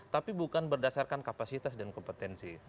tapi bukan berdasarkan kapasitas dan kompetensi